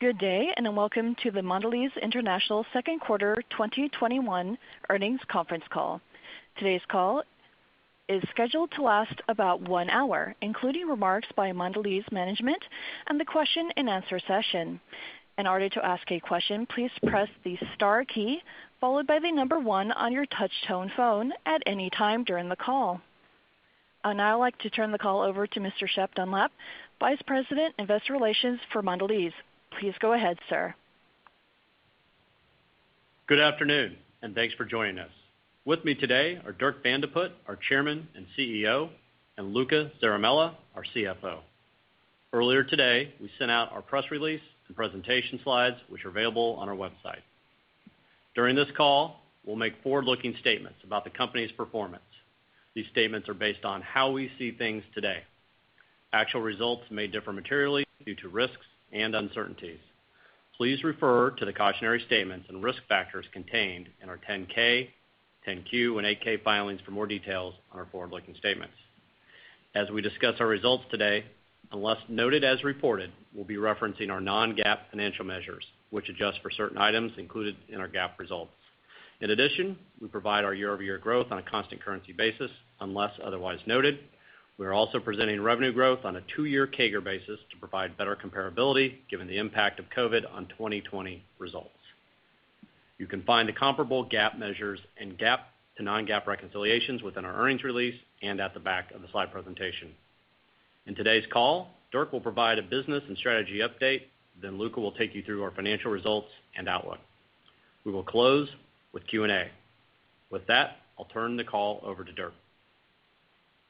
Good day, and welcome to the Mondelēz International second quarter 2021 earnings conference call. Today's call is scheduled to last about one hour, including remarks by Mondelēz management and the question and answer session. In order to ask a question, please press the star key, followed by number one on your touch-tone phone at any time during the call. I'd now like to turn the call over to Mr. Shep Dunlap, Vice President, Investor Relations for Mondelēz. Please go ahead, sir. Good afternoon, and thanks for joining us. With me today are Dirk Van de Put, our Chairman and CEO, and Luca Zaramella, our CFO. Earlier today, we sent out our press release and presentation slides, which are available on our website. During this call, we'll make forward-looking statements about the company's performance. These statements are based on how we see things today. Actual results may differ materially due to risks and uncertainties. Please refer to the cautionary statements and risk factors contained in our 10-K, 10-Q, and 8-K filings for more details on our forward-looking statements. As we discuss our results today, unless noted as reported, we'll be referencing our non-GAAP financial measures, which adjust for certain items included in our GAAP results. In addition, we provide our year-over-year growth on a constant currency basis unless otherwise noted. We are also presenting revenue growth on a two-year CAGR basis to provide better comparability, given the impact of COVID on 2020 results. You can find the comparable GAAP measures and GAAP to non-GAAP reconciliations within our earnings release and at the back of the slide presentation. In today's call, Dirk will provide a business and strategy update. Luca will take you through our financial results and outlook. We will close with Q&A. With that, I'll turn the call over to Dirk.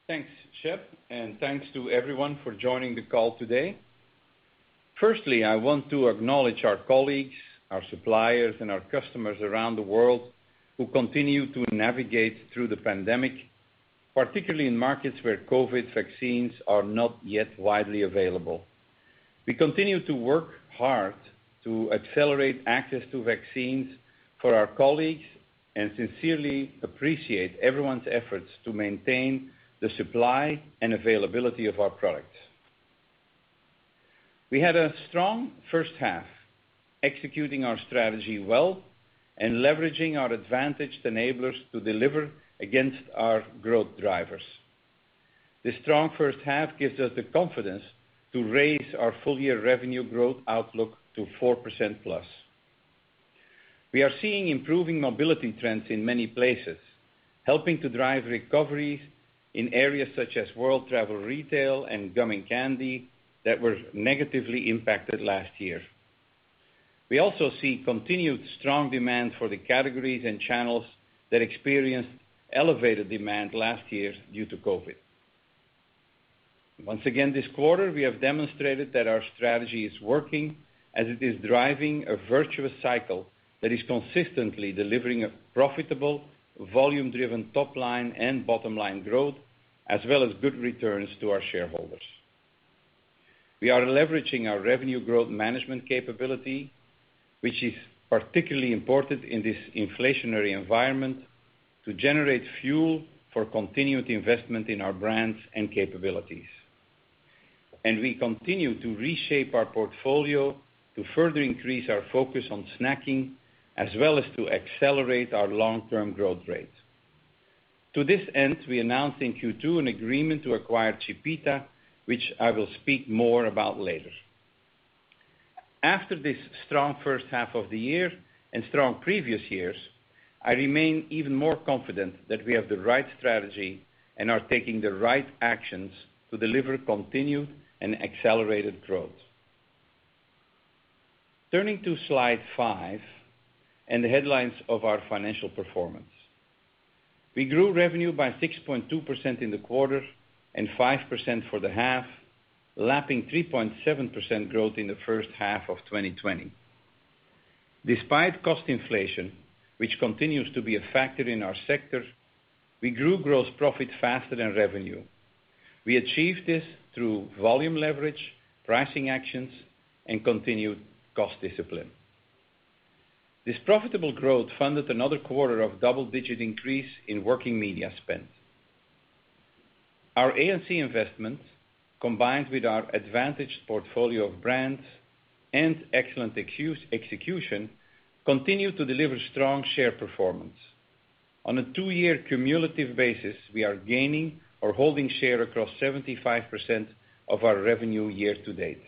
Thanks, Shep, and thanks to everyone for joining the call today. Firstly, I want to acknowledge our colleagues, our suppliers, and our customers around the world who continue to navigate through the pandemic, particularly in markets where COVID vaccines are not yet widely available. We continue to work hard to accelerate access to vaccines for our colleagues and sincerely appreciate everyone's efforts to maintain the supply and availability of our products. We had a strong first half, executing our strategy well and leveraging our advantaged enablers to deliver against our growth drivers. This strong first half gives us the confidence to raise our full-year revenue growth outlook to 4% plus. We are seeing improving mobility trends in many places, helping to drive recoveries in areas such as World Travel Retail and gum and candy that were negatively impacted last year. We also see continued strong demand for the categories and channels that experienced elevated demand last year due to COVID. Once again this quarter, we have demonstrated that our strategy is working as it is driving a virtuous cycle that is consistently delivering a profitable volume-driven top-line and bottom-line growth, as well as good returns to our shareholders. We are leveraging our Revenue Growth Management capability, which is particularly important in this inflationary environment, to generate fuel for continued investment in our brands and capabilities. We continue to reshape our portfolio to further increase our focus on snacking, as well as to accelerate our long-term growth rate. To this end, we announced in Q2 an agreement to acquire Chipita, which I will speak more about later. After this strong first half of the year and strong previous years, I remain even more confident that we have the right strategy and are taking the right actions to deliver continued and accelerated growth. Turning to Slide five and the headlines of our financial performance. We grew revenue by 6.2% in the quarter and 5% for the half, lapping 3.7% growth in the first half of 2020. Despite cost inflation, which continues to be a factor in our sector, we grew gross profit faster than revenue. We achieved this through volume leverage, pricing actions, and continued cost discipline. This profitable growth funded another quarter of double-digit increase in working media spend. Our A&C investments, combined with our advantaged portfolio of brands and excellent execution, continue to deliver strong share performance. On a two-year cumulative basis, we are gaining or holding share across 75% of our revenue year-to-date.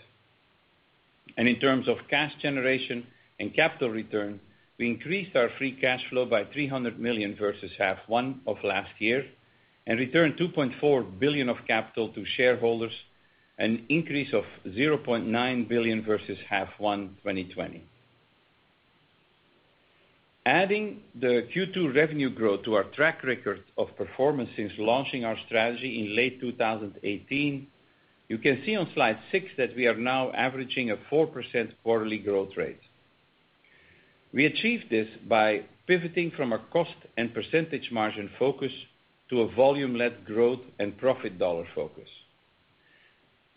In terms of cash generation and capital return, we increased our free cash flow by $300 million versus half 1 of last year and returned $2.4 billion of capital to shareholders, an increase of $0.9 billion versus half 1 2020. Adding the Q2 revenue growth to our track record of performance since launching our strategy in late 2018, you can see on Slide six that we are now averaging a 4% quarterly growth rate. We achieved this by pivoting from a cost and percentage margin focus to a volume-led growth and profit dollar focus,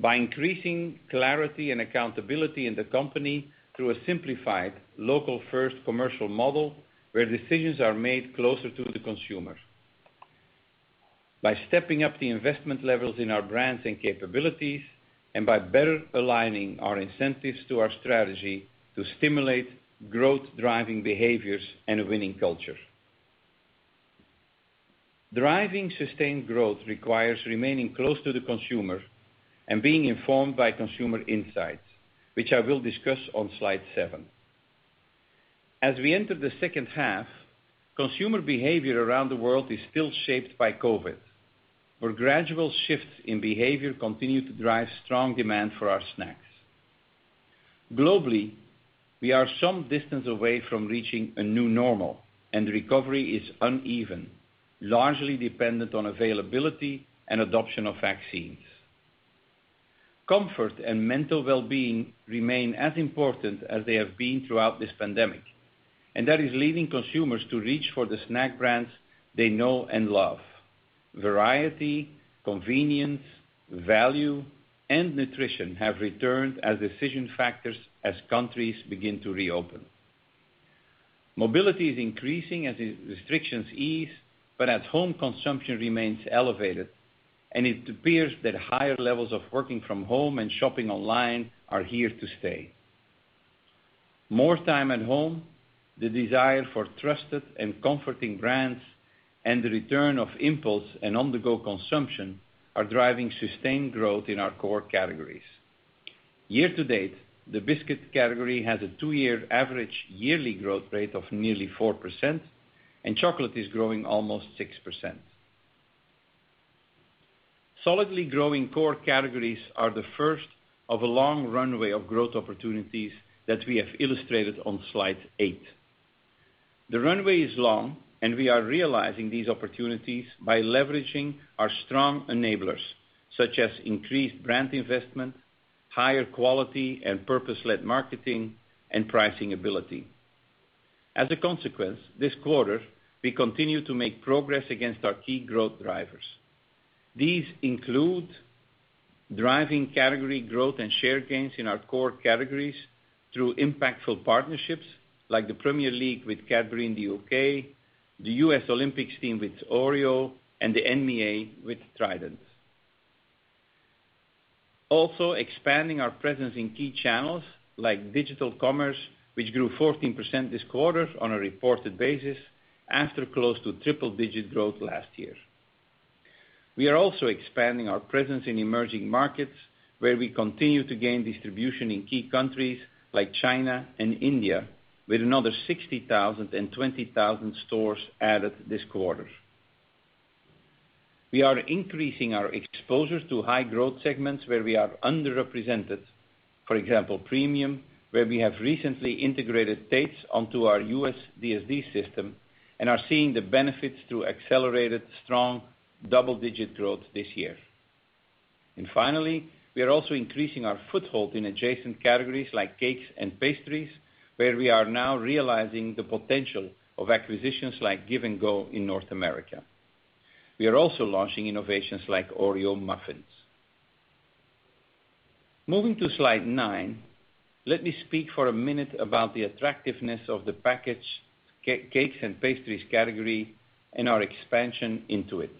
by increasing clarity and accountability in the company through a simplified local-first commercial model where decisions are made closer to the consumer, by stepping up the investment levels in our brands and capabilities, and by better aligning our incentives to our strategy to stimulate growth-driving behaviors and a winning culture. Driving sustained growth requires remaining close to the consumer and being informed by consumer insights, which I will discuss on slide seven. As we enter the second half, consumer behavior around the world is still shaped by COVID, where gradual shifts in behavior continue to drive strong demand for our snacks. Globally, we are some distance away from reaching a new normal, and recovery is uneven, largely dependent on availability and adoption of vaccines. Comfort and mental wellbeing remain as important as they have been throughout this pandemic, and that is leading consumers to reach for the snack brands they know and love. Variety, convenience, value, and nutrition have returned as decision factors as countries begin to reopen. Mobility is increasing as restrictions ease, but at home consumption remains elevated, and it appears that higher levels of working from home and shopping online are here to stay. More time at home, the desire for trusted and comforting brands, and the return of impulse and on-the-go consumption are driving sustained growth in our core categories. Year-to-date, the biscuit category has a two-year average yearly growth rate of nearly 4%, and chocolate is growing almost 6%. Solidly growing core categories are the first of a long runway of growth opportunities that we have illustrated on slide eight. The runway is long, and we are realizing these opportunities by leveraging our strong enablers, such as increased brand investment, higher quality and purpose-led marketing, and pricing ability. As a consequence, this quarter, we continue to make progress against our key growth drivers. These include driving category growth and share gains in our core categories through impactful partnerships, like the Premier League with Cadbury in the U.K., the U.S. Olympic Team with Oreo, and the NBA with Trident. Also expanding our presence in key channels like digital commerce, which grew 14% this quarter on a reported basis after close to triple-digit growth last year. We are also expanding our presence in emerging markets, where we continue to gain distribution in key countries like China and India, with another 60,000 and 20,000 stores added this quarter. We are increasing our exposure to high-growth segments where we are underrepresented. For example, premium, where we have recently integrated Tate's onto our U.S. DSD system and are seeing the benefits through accelerated strong double-digit growth this year. Finally, we are also increasing our foothold in adjacent categories like cakes and pastries, where we are now realizing the potential of acquisitions like Give and Go in North America. We are also launching innovations like Oreo muffins. Moving to slide nine, let me speak for a minute about the attractiveness of the packaged cakes and pastries category and our expansion into it.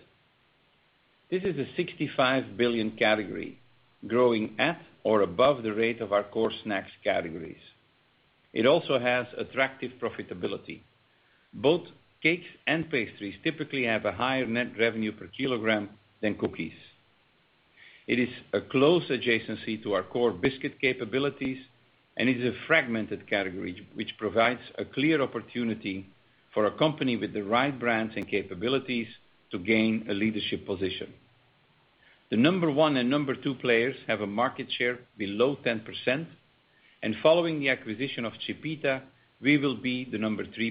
This is a $65 billion category growing at or above the rate of our core snacks categories. It also has attractive profitability. Both cakes and pastries typically have a higher net revenue per kilogram than cookies. It is a close adjacency to our core biscuit capabilities. It is a fragmented category, which provides a clear opportunity for a company with the right brands and capabilities to gain a leadership position. The number one and number two players have a market share below 10%. Following the acquisition of Chipita, we will be the number three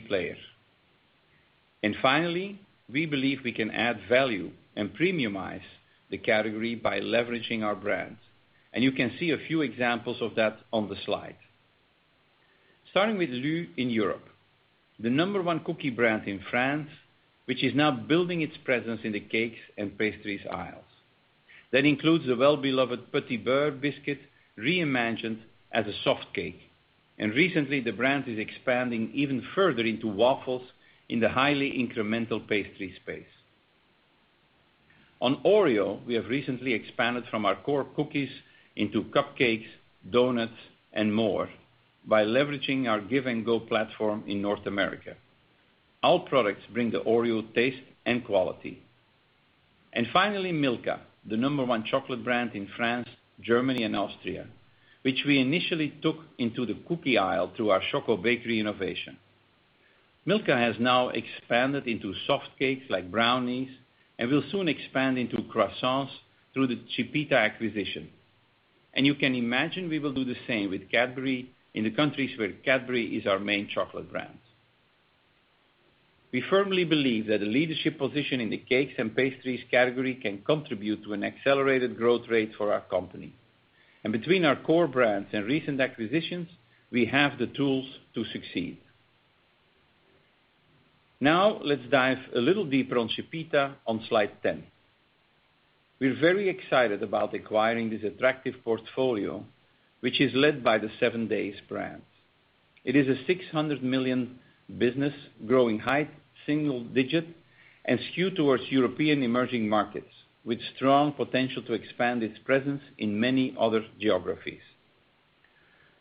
player. Finally, we believe we can add value and premiumize the category by leveraging our brands. You can see a few examples of that on the slide. Starting with LU in Europe, the number one cookie brand in France, which is now building its presence in the cakes and pastries aisles. That includes the well-beloved Petit Beurre biscuit reimagined as a soft cake, and recently the brand is expanding even further into waffles in the highly incremental pastry space. On Oreo, we have recently expanded from our core cookies into cupcakes, donuts, and more by leveraging our Give and Go platform in North America. Our products bring the Oreo taste and quality. Finally, Milka, the number one chocolate brand in France, Germany, and Austria, which we initially took into the cookie aisle through our Choco Bakery innovation. Milka has now expanded into soft cakes like brownies and will soon expand into croissants through the Chipita acquisition. You can imagine we will do the same with Cadbury in the countries where Cadbury is our main chocolate brand. We firmly believe that a leadership position in the cakes and pastries category can contribute to an accelerated growth rate for our company. Between our core brands and recent acquisitions, we have the tools to succeed. Let's dive a little deeper on Chipita on slide 10. We're very excited about acquiring this attractive portfolio, which is led by the 7Days brand. It is a $600 million business, growing high single-digit and skewed towards European emerging markets, with strong potential to expand its presence in many other geographies.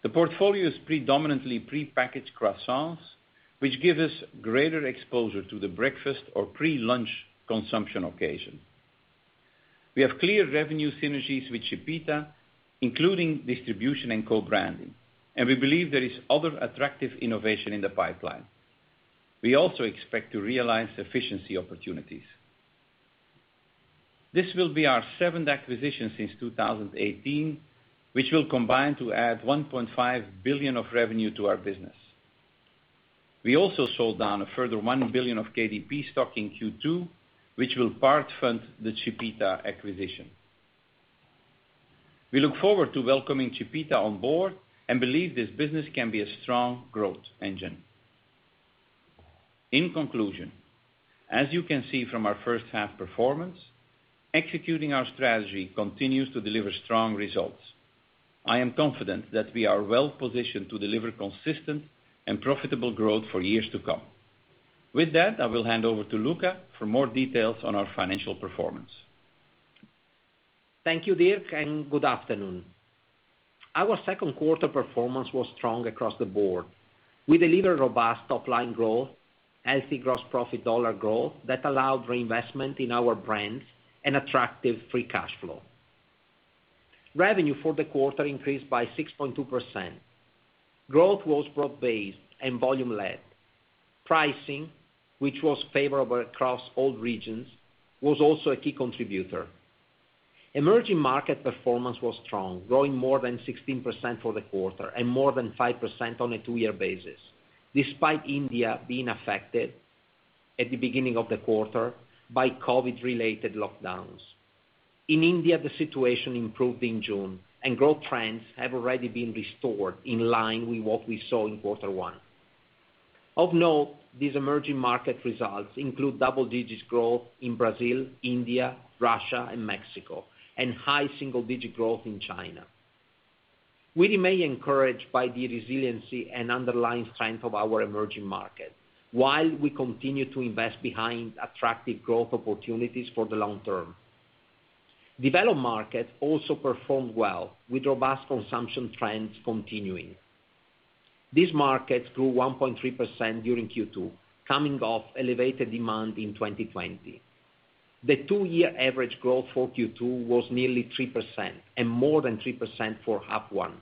The portfolio is predominantly prepackaged croissants, which gives us greater exposure to the breakfast or pre-lunch consumption occasion. We have clear revenue synergies with Chipita, including distribution and co-branding, and we believe there is other attractive innovation in the pipeline. We also expect to realize efficiency opportunities. This will be our seventh acquisition since 2018, which will combine to add $1.5 billion of revenue to our business. We also sold down a further $1 billion of KDP stock in Q2, which will part-fund the Chipita acquisition. We look forward to welcoming Chipita on board and believe this business can be a strong growth engine. In conclusion, as you can see from our first half performance, executing our strategy continues to deliver strong results. I am confident that we are well-positioned to deliver consistent and profitable growth for years to come. With that, I will hand over to Luca for more details on our financial performance. Thank you, Dirk, and good afternoon. Our second quarter performance was strong across the board. We delivered robust top-line growth, healthy gross profit dollar growth that allowed reinvestment in our brands, and attractive free cash flow. Revenue for the quarter increased by 6.2%. Growth was broad-based and volume-led. Pricing, which was favorable across all regions, was also a key contributor. Emerging market performance was strong, growing more than 16% for the quarter and more than 5% on a two-year basis, despite India being affected at the beginning of the quarter by COVID-related lockdowns. In India, the situation improved in June. Growth trends have already been restored in line with what we saw in quarter 1. Of note, these emerging market results include double-digit growth in Brazil, India, Russia, and Mexico, and high single-digit growth in China. We remain encouraged by the resiliency and underlying strength of our emerging market while we continue to invest behind attractive growth opportunities for the long term. Developed markets also performed well with robust consumption trends continuing. These markets grew 1.3% during Q2, coming off elevated demand in 2020. The two-year average growth for Q2 was nearly 3% and more than 3% for half 1.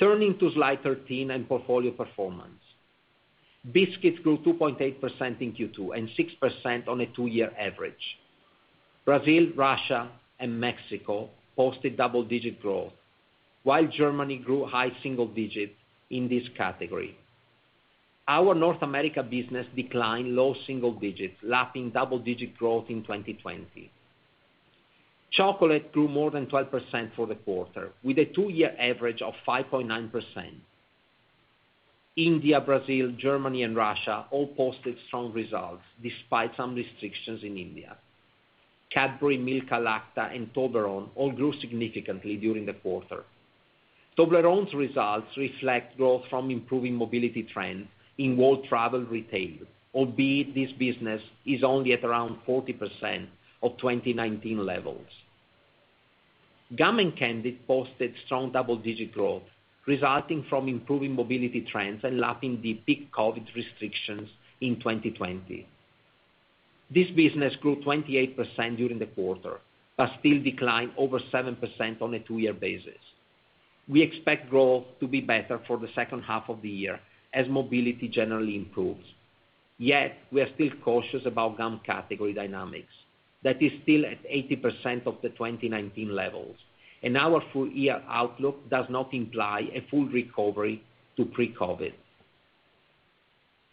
Turning to slide 13 and portfolio performance. Biscuits grew 2.8% in Q2 and 6% on a two-year average. Brazil, Russia, and Mexico posted double-digit growth while Germany grew high single digit in this category. Our North America business declined low single digits, lapping double-digit growth in 2020. Chocolate grew more than 12% for the quarter with a two-year average of 5.9%. India, Brazil, Germany, and Russia all posted strong results despite some restrictions in India. Cadbury, Milka, Lacta, and Toblerone all grew significantly during the quarter. Toblerone's results reflect growth from improving mobility trends in World Travel Retail, albeit this business is only at around 40% of 2019 levels. Gum and candy posted strong double-digit growth resulting from improving mobility trends and lapping the peak COVID restrictions in 2020. This business grew 28% during the quarter, still declined over 7% on a two-year basis. We expect growth to be better for the second half of the year as mobility generally improves. We are still cautious about gum category dynamics. That is still at 80% of the 2019 levels, our full-year outlook does not imply a full recovery to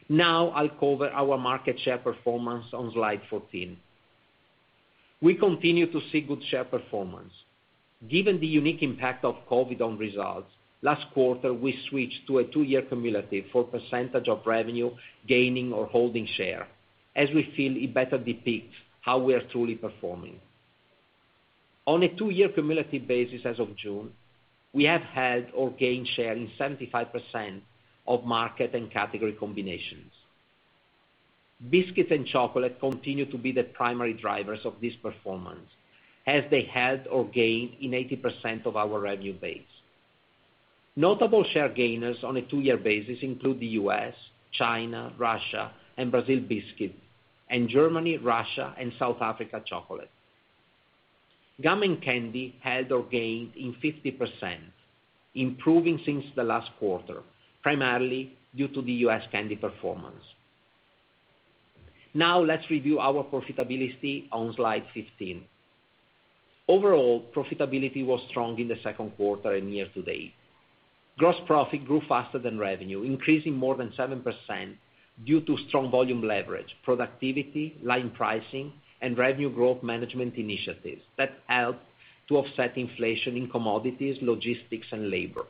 pre-COVID. I'll cover our market share performance on slide 14. We continue to see good share performance. Given the unique impact of COVID on results, last quarter, we switched to a two-year cumulative for % of revenue gaining or holding share as we feel it better depicts how we are truly performing. On a two-year cumulative basis as of June, we have had or gained share in 75% of market and category combinations. Biscuits and chocolate continue to be the primary drivers of this performance as they had or gained in 80% of our revenue base. Notable share gainers on a two-year basis include the U.S., China, Russia, and Brazil Biscuit, and Germany, Russia, and South Africa Chocolate. Gum and candy held or gained in 50%, improving since the last quarter, primarily due to the U.S. candy performance. Let's review our profitability on slide 15. Overall, profitability was strong in the second quarter and year-to-date. Gross profit grew faster than revenue, increasing more than 7% due to strong volume leverage, productivity, line pricing, and revenue growth management initiatives that helped to offset inflation in commodities, logistics, and labor.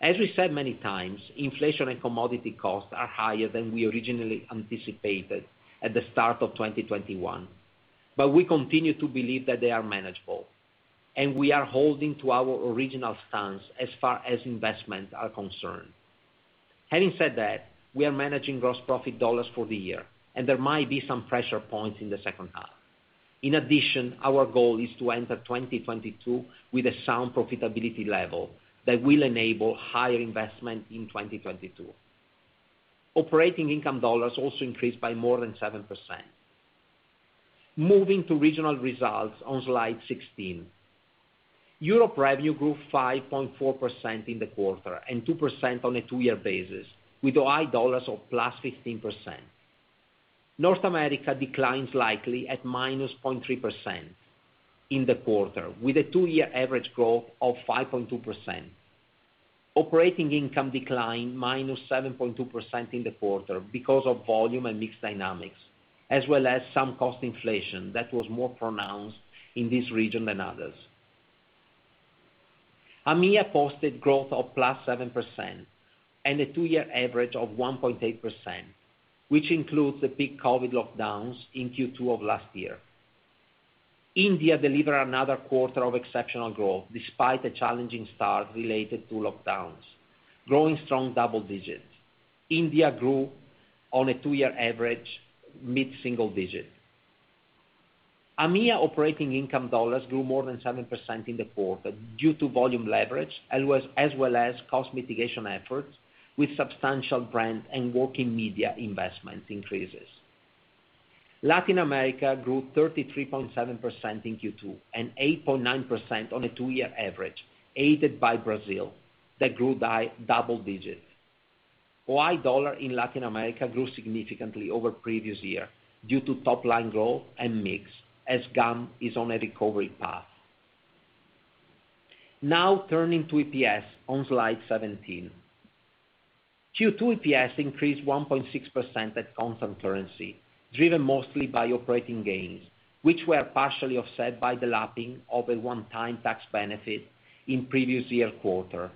As we said many times, inflation and commodity costs are higher than we originally anticipated at the start of 2021. We continue to believe that they are manageable, and we are holding to our original stance as far as investments are concerned. Having said that, we are managing gross profit dollar for the year, and there might be some pressure points in the second half. In addition, our goal is to enter 2022 with a sound profitability level that will enable higher investment in 2022. Operating income dollar also increased by more than 7%. Moving to regional results on slide 16. Europe revenue grew 5.4% in the quarter, and 2% on a two-year basis, with OI of +15%. North America declines likely at -0.3% in the quarter, with a two-year average growth of 5.2%. Operating income declined -7.2% in the quarter because of volume and mix dynamics, as well as some cost inflation that was more pronounced in this region than others. AMEA posted growth of +7%, and a two-year average of 1.8%, which includes the big COVID lockdowns in Q2 of last year. India delivered another quarter of exceptional growth despite a challenging start related to lockdowns, growing strong double digits. India grew on a two-year average mid-single digit. AMEA operating income grew more than 7% in the quarter due to volume leverage, as well as cost mitigation efforts, with substantial brand and working media investment increases. Latin America grew 33.7% in Q2, and 8.9% on a two-year average, aided by Brazil that grew by double digits. OI dollar in Latin America grew significantly over previous year due to top-line growth and mix, as gum is on a recovery path. Now turning to EPS on slide 17. Q2 EPS increased 1.6% at constant currency, driven mostly by operating gains, which were partially offset by the lapping of a one-time tax benefit in previous year quarter.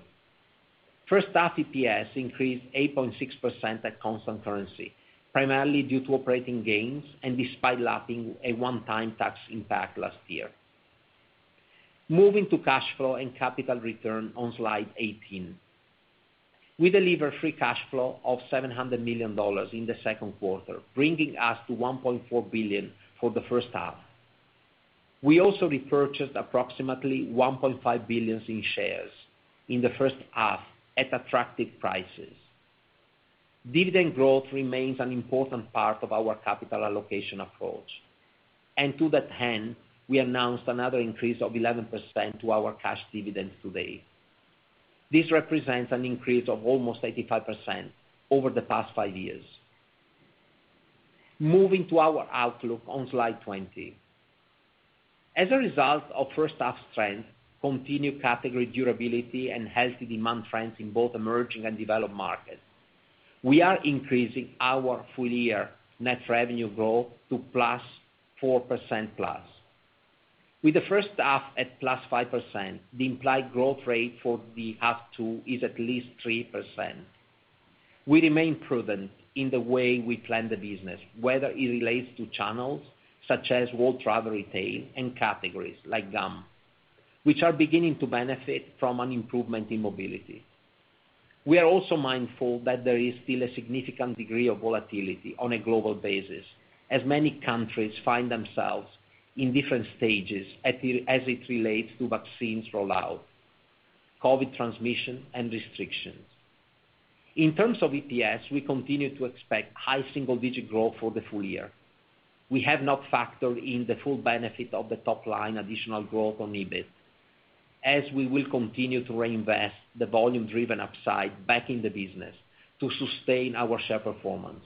First half EPS increased 8.6% at constant currency, primarily due to operating gains and despite lapping a one-time tax impact last year. Moving to cash flow and capital return on slide 18. We delivered free cash flow of $700 million in the second quarter, bringing us to $1.4 billion for the first half. We also repurchased approximately $1.5 billion in shares in the first half at attractive prices. Dividend growth remains an important part of our capital allocation approach. To that end, we announced another increase of 11% to our cash dividends today. This represents an increase of almost 85% over the past five years. Moving to our outlook on slide 20. As a result of first half strength, continued category durability, and healthy demand trends in both emerging and developed markets, we are increasing our full year net revenue growth to +4%+. With the first half at +5%, the implied growth rate for the half 2 is at least 3%. We remain prudent in the way we plan the business, whether it relates to channels such as World Travel Retail and categories like gum, which are beginning to benefit from an improvement in mobility. We are also mindful that there is still a significant degree of volatility on a global basis, as many countries find themselves in different stages as it relates to vaccines rollout, COVID transmission, and restrictions. In terms of EPS, we continue to expect high single-digit growth for the full year. We have not factored in the full benefit of the top line additional growth on EBIT, as we will continue to reinvest the volume-driven upside back in the business to sustain our share performance.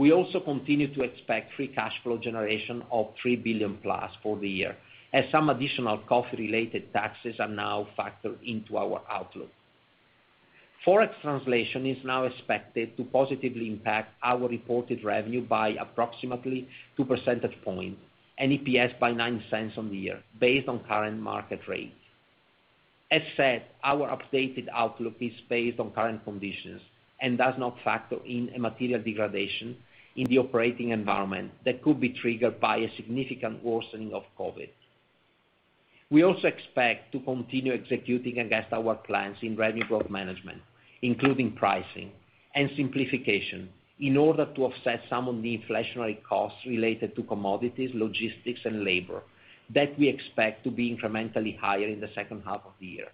We also continue to expect free cash flow generation of $3 billion plus for the year, as some additional coffee-related taxes are now factored into our outlook. Forex translation is now expected to positively impact our reported revenue by approximately 2 percentage points and EPS by $0.09 on the year, based on current market rates. Our updated outlook is based on current conditions and does not factor in a material degradation in the operating environment that could be triggered by a significant worsening of COVID. We also expect to continue executing against our plans in revenue growth management, including pricing and simplification, in order to offset some of the inflationary costs related to commodities, logistics, and labor that we expect to be incrementally higher in the second half of the year.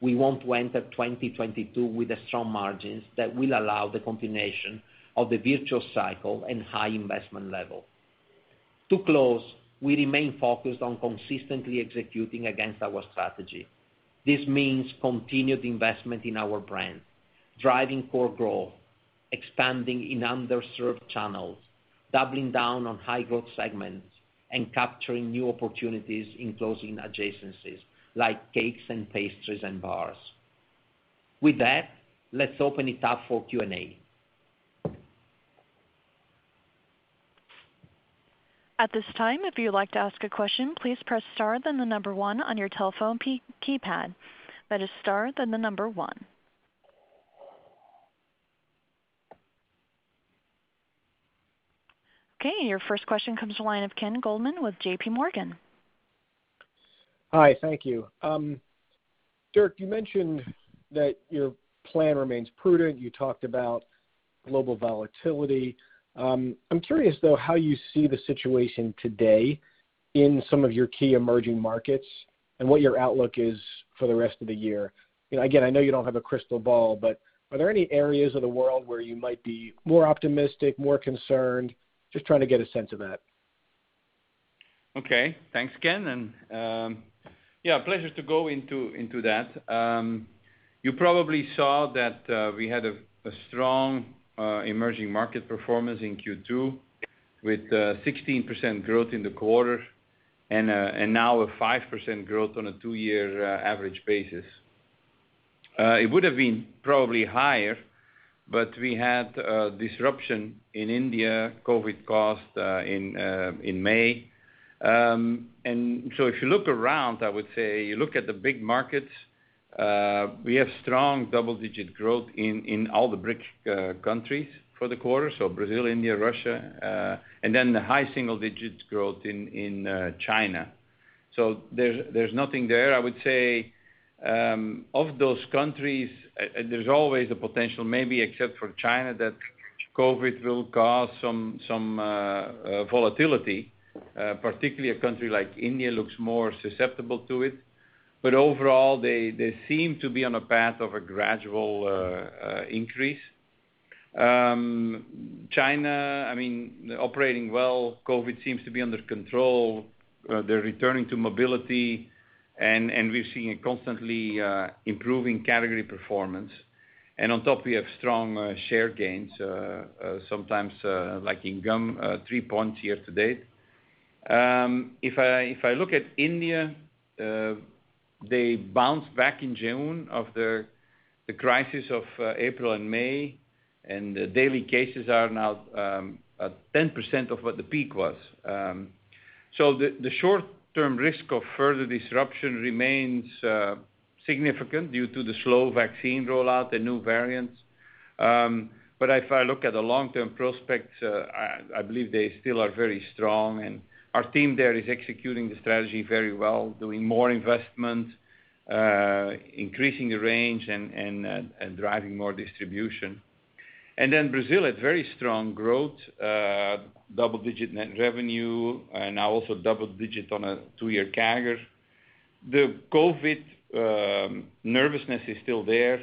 We want to enter 2022 with the strong margins that will allow the continuation of the virtuous cycle and high investment level. To close, we remain focused on consistently executing against our strategy. This means continued investment in our brand, driving core growth, expanding in underserved channels, doubling down on high-growth segments, and capturing new opportunities in closing adjacencies like cakes and pastries and bars. With that, let's open it up for Q&A. At this time, if you'd like to ask a question, please press star then the number one on your telephone keypad that is star, then number one. Your first question comes to the line of Ken Goldman with JPMorgan. Hi, thank you. Dirk, you mentioned that your plan remains prudent. You talked about global volatility. I'm curious, though, how you see the situation today in some of your key emerging markets and what your outlook is for the rest of the year. Again, I know you don't have a crystal ball, but are there any areas of the world where you might be more optimistic, more concerned? Just trying to get a sense of that. Okay. Thanks, Ken, and pleasure to go into that. You probably saw that we had a strong emerging market performance in Q2 with 16% growth in the quarter and now a 5% growth on a two-year average basis. It would have been probably higher, but we had a disruption in India, COVID cost in May. If you look around, I would say you look at the big markets, we have strong double-digit growth in all the BRIC countries for the quarter. Brazil, India, Russia, and then the high single-digit growth in China. There's nothing there. I would say of those countries, there's always a potential, maybe except for China, that COVID will cause some volatility. Particularly a country like India looks more susceptible to it. Overall, they seem to be on a path of a gradual increase. China, operating well. COVID seems to be under control. They're returning to mobility, we're seeing a constantly improving category performance. On top, we have strong share gains, sometimes, like in gum, 3 points year-to-date. If I look at India, they bounced back in June of the crisis of April and May, and the daily cases are now at 10% of what the peak was. The short-term risk of further disruption remains significant due to the slow vaccine rollout, the new variants. If I look at the long-term prospects, I believe they still are very strong, and our team there is executing the strategy very well, doing more investment, increasing the range, and driving more distribution. Brazil had very strong growth, double-digit net revenue, and now also double-digit on a 2-year CAGR. The COVID nervousness is still there.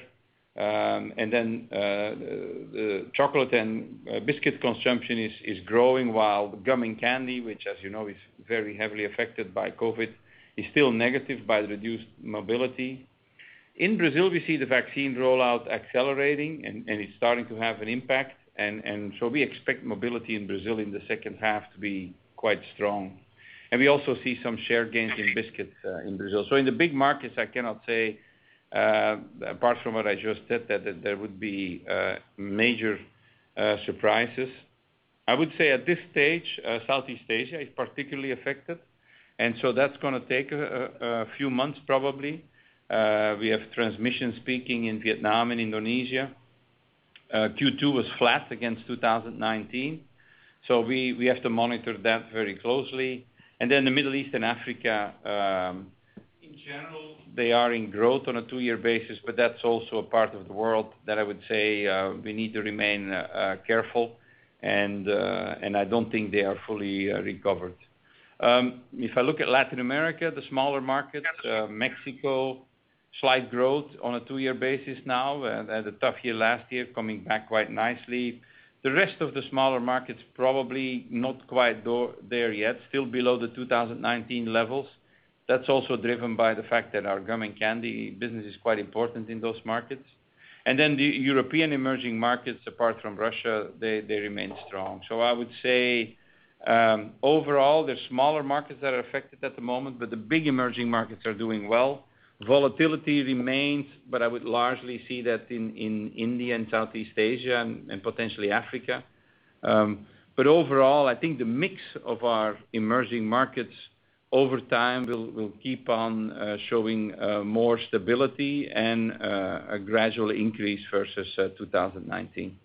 The chocolate and biscuit consumption is growing while gum and candy, which as you know, is very heavily affected by COVID, is still negative by the reduced mobility. In Brazil, we see the vaccine rollout accelerating, and it's starting to have an impact, and so we expect mobility in Brazil in the second half to be quite strong. We also see some share gains in biscuits in Brazil. In the big markets, I cannot say, apart from what I just said, that there would be major surprises. I would say at this stage, Southeast Asia is particularly affected, and so that's going to take a few months probably. We have transmission spiking in Vietnam and Indonesia. Q2 was flat against 2019, so we have to monitor that very closely. The Middle East and Africa, in general, they are in growth on a two-year basis, that's also a part of the world that I would say we need to remain careful, and I don't think they are fully recovered. If I look at Latin America, the smaller markets, Mexico, slight growth on a two-year basis now, had a tough year last year, coming back quite nicely. The rest of the smaller markets, probably not quite there yet, still below the 2019 levels. That's also driven by the fact that our gum and candy business is quite important in those markets. The European emerging markets, apart from Russia, they remain strong. I would say overall, there are smaller markets that are affected at the moment, the big emerging markets are doing well. Volatility remains. I would largely see that in India and Southeast Asia, and potentially Africa. Overall, I think the mix of our emerging markets over time will keep on showing more stability and a gradual increase versus 2019.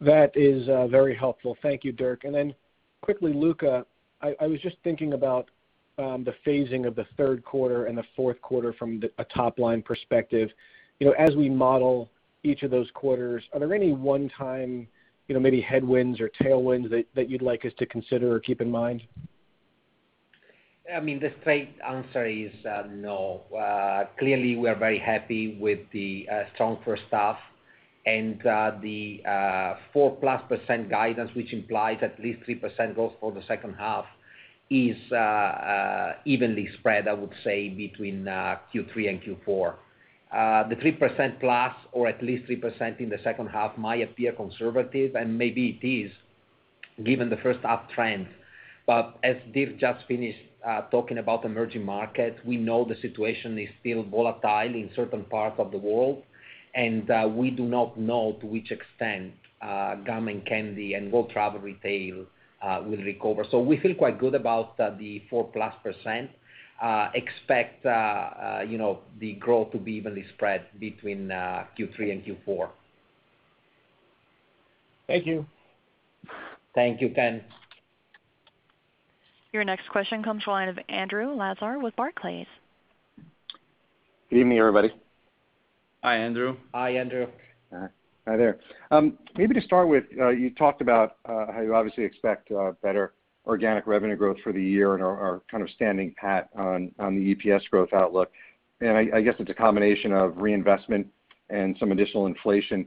That is very helpful. Thank you, Dirk. Quickly, Luca, I was just thinking about the phasing of the third quarter and the fourth quarter from a top-line perspective. As we model each of those quarters, are there any one-time maybe headwinds or tailwinds that you'd like us to consider or keep in mind? The straight answer is no. Clearly, we are very happy with the strong first half and the 4+ % guidance, which implies at least 3% growth for the second half is evenly spread, I would say, between Q3 and Q4. The 3+ % or at least 3% in the second half might appear conservative, and maybe it is, given the first uptrend. As Dave just finished talking about emerging markets, we know the situation is still volatile in certain parts of the world, and we do not know to which extent gum and candy and World Travel Retail will recover. We feel quite good about the 4+ %. Expect the growth to be evenly spread between Q3 and Q4. Thank you. Thank you, Ken. Your next question comes to the line of Andrew Lazar with Barclays. Good evening, everybody. Hi, Andrew. Hi, Andrew. Hi there. Maybe to start with, you talked about how you obviously expect better organic revenue growth for the year and are kind of standing pat on the EPS growth outlook. I guess it's a combination of reinvestment and some additional inflation.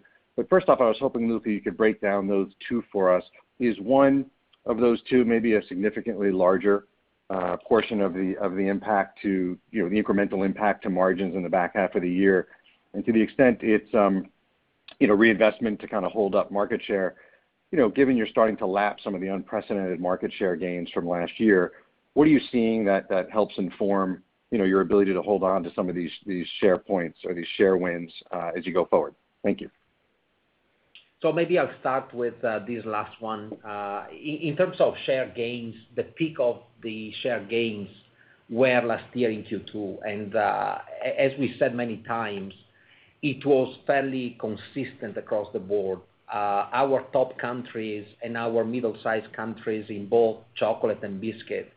First off, I was hoping, Luca, you could break down those two for us. Is one of those two maybe a significantly larger portion of the incremental impact to margins in the back half of the year? To the extent it's reinvestment to kind of hold up market share, given you're starting to lap some of the unprecedented market share gains from last year, what are you seeing that helps inform your ability to hold on to some of these share points or these share wins as you go forward? Thank you. Maybe I'll start with this last one. In terms of share gains, the peak of the share gains were last year in Q2. As we said many times, it was fairly consistent across the board. Our top countries and our middle-size countries in both chocolate and biscuit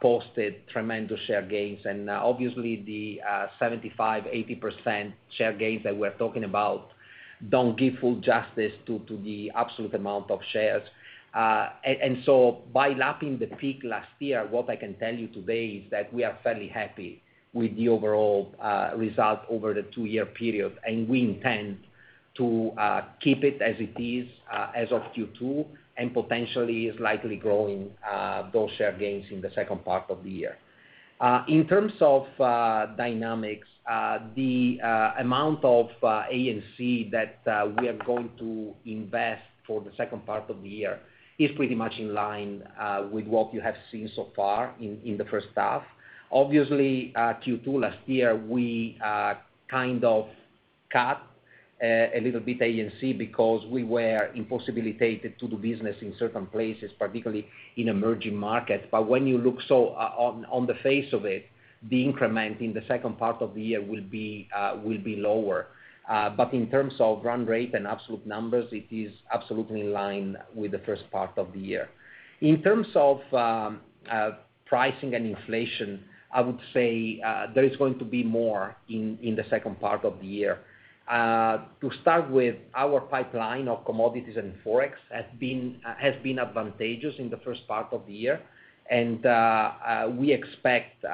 posted tremendous share gains. Obviously the 75%, 80% share gains that we're talking about don't give full justice to the absolute amount of shares. By lapping the peak last year, what I can tell you today is that we are fairly happy with the overall result over the two-year period, and we intend to keep it as it is as of Q2 and potentially slightly growing those share gains in the second part of the year. In terms of dynamics, the amount of A&C that we are going to invest for the second part of the year is pretty much in line with what you have seen so far in the first half. Obviously, Q2 last year, we kind of cut a little bit A&C because we were unable to do business in certain places, particularly in emerging markets. When you look on the face of it, the increment in the second part of the year will be lower. In terms of run rate and absolute numbers, it is absolutely in line with the first part of the year. In terms of pricing and inflation, I would say there is going to be more in the second part of the year. To start with, our pipeline of commodities and Forex has been advantageous in the first part of the year. We expect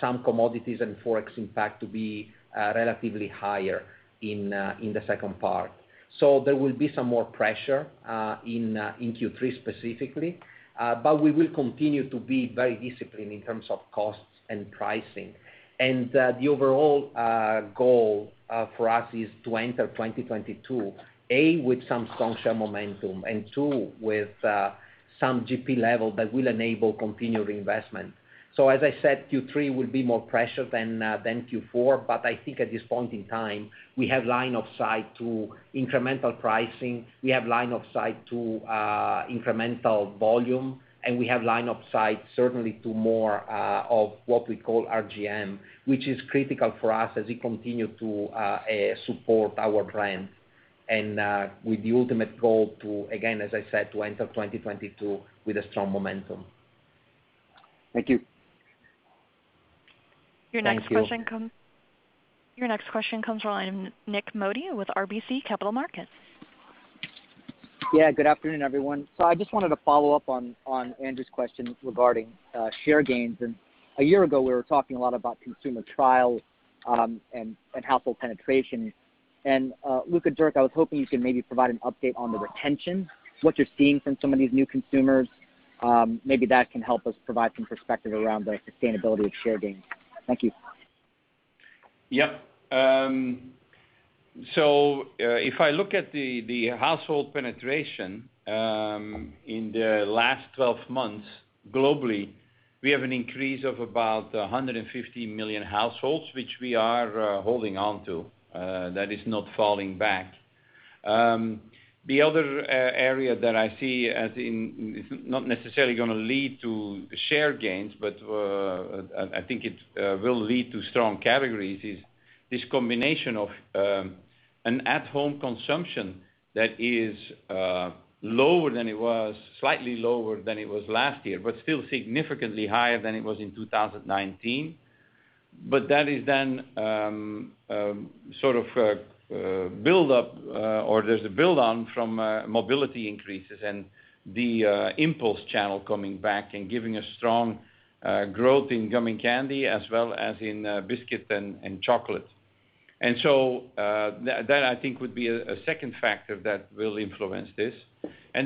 some commodities and Forex impact to be relatively higher in the second part. There will be some more pressure in Q3 specifically, but we will continue to be very disciplined in terms of costs and pricing. The overall goal for us is to enter 2022, A, with some strong share momentum and two, with some GP level that will enable continued reinvestment. As I said, Q3 will be more pressured than Q4, but I think at this point in time, we have line of sight to incremental pricing. We have line of sight to incremental volume, and we have line of sight certainly to more of what we call RGM, which is critical for us as we continue to support our brands. With the ultimate goal to, again, as I said, to enter 2022 with a strong momentum. Thank you. Thank you. Your next question comes from Nik Modi with RBC Capital Markets. Yeah, good afternoon, everyone. I just wanted to follow up on Andrew's question regarding share gains. A year ago, we were talking a lot about consumer trials and household penetration. Luca, Dirk, I was hoping you could maybe provide an update on the retention, what you're seeing from some of these new consumers. Maybe that can help us provide some perspective around the sustainability of share gains. Thank you. Yep. If I look at the household penetration in the last 12 months, globally, we have an increase of about 150 million households, which we are holding onto. That is not falling back. The other area that I see as not necessarily going to lead to share gains, but I think it will lead to strong categories, is this combination of an at-home consumption that is slightly lower than it was last year, but still significantly higher than it was in 2019. That is then sort of build up or there's a build on from mobility increases and the impulse channel coming back and giving a strong growth in gum and candy as well as in biscuit and chocolate. That I think would be a second factor that will influence this. As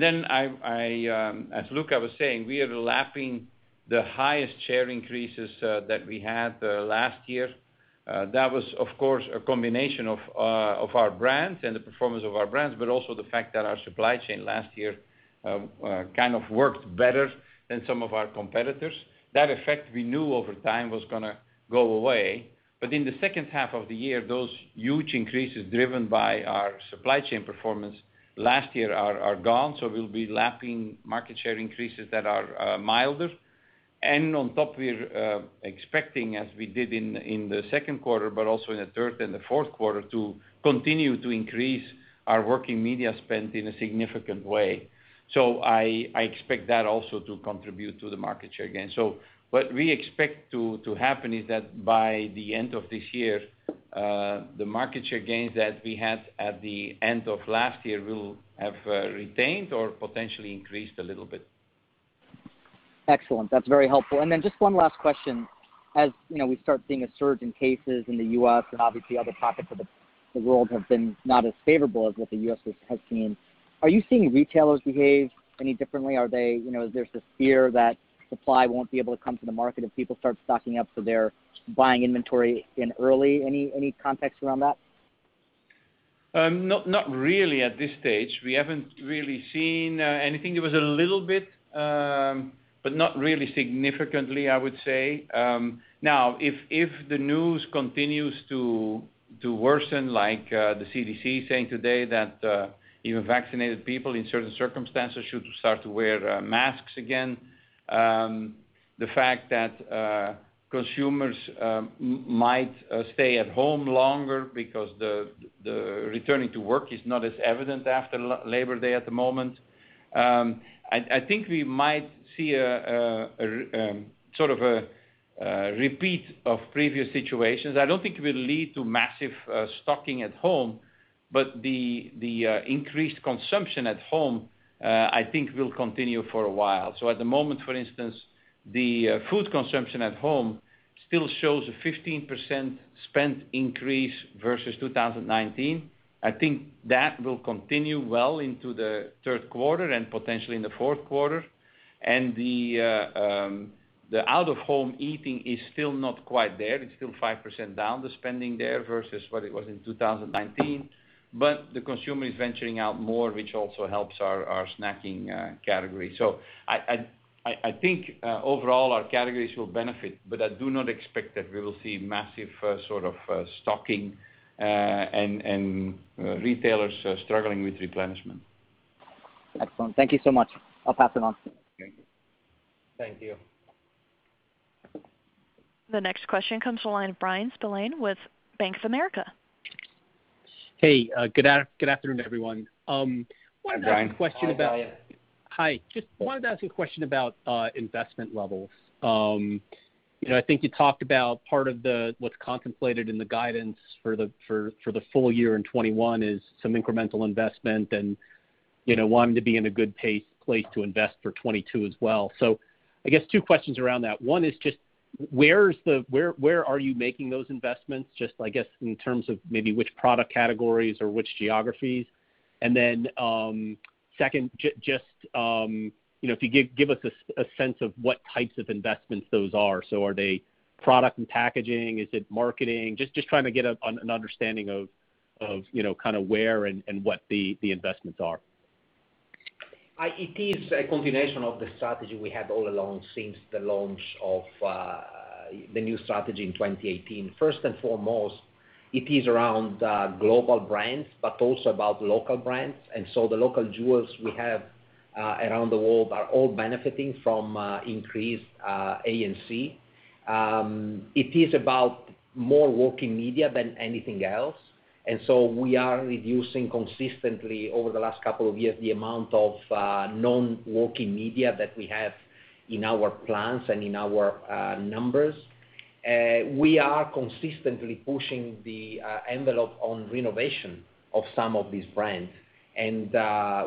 Luca was saying, we are lapping the highest share increases that we had last year. That was, of course, a combination of our brands and the performance of our brands, but also the fact that our supply chain last year kind of worked better than some of our competitors. That effect we knew over time was going to go away, but in the second half of the year, those huge increases driven by our supply chain performance last year are gone. We'll be lapping market share increases that are milder. On top, we're expecting, as we did in the second quarter, but also in the third and the fourth quarter, to continue to increase our working media spend in a significant way. I expect that also to contribute to the market share gain. What we expect to happen is that by the end of this year, the market share gains that we had at the end of last year will have retained or potentially increased a little bit. Excellent. That's very helpful. Just one last question. As we start seeing a surge in cases in the U.S., obviously other pockets of the world have been not as favorable as what the U.S. has seen, are you seeing retailers behave any differently? Is there this fear that supply won't be able to come to the market if people start stocking up, so they're buying inventory in early? Any context around that? Not really at this stage. We haven't really seen anything. There was a little bit, but not really significantly, I would say. If the news continues to worsen, like the CDC saying today that even vaccinated people in certain circumstances should start to wear masks again. The fact that consumers might stay at home longer because the returning to work is not as evident after Labor Day at the moment. I think we might see a sort of a repeat of previous situations. I don't think it will lead to massive stocking at home, but the increased consumption at home, I think, will continue for a while. At the moment, for instance, the food consumption at home still shows a 15% spend increase versus 2019. I think that will continue well into the third quarter and potentially in the fourth quarter. The out-of-home eating is still not quite there. It's still 5% down, the spending there versus what it was in 2019. The consumer is venturing out more, which also helps our snacking category. I think overall our categories will benefit, but I do not expect that we will see massive sort of stocking and retailers struggling with replenishment. Excellent. Thank you so much. I'll pass it on. Thank you. The next question comes to the line of Bryan Spillane with Bank of America. Hey, good afternoon, everyone. Hi, Bryan. Hi, Bryan. Hi, just wanted to ask a question about investment levels. I think you talked about part of what's contemplated in the guidance for the full year in 2021 is some incremental investment and wanting to be in a good place to invest for 2022 as well. I guess two questions around that. One is just where are you making those investments? Just, I guess, in terms of maybe which product categories or which geographies. Just if you give us a sense of what types of investments those are. Are they product and packaging? Is it marketing? Just trying to get an understanding of where and what the investments are. It is a continuation of the strategy we had all along since the launch of the new strategy in 2018. First and foremost, it is around global brands, but also about local brands. The local jewels we have around the world are all benefiting from increased A&C. It is about more working media than anything else. We are reducing consistently over the last couple of years, the amount of non-working media that we have in our plans and in our numbers. We are consistently pushing the envelope on renovation of some of these brands, and